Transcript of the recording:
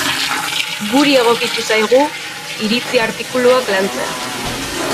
Guri egokitu zaigu iritzi artikuluak lantzea.